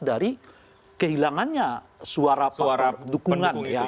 dari kehilangannya suara pendukungan